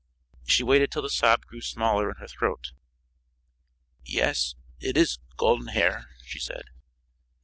She waited till the sob grew smaller in her throat. "Yes, it is golden hair," she said.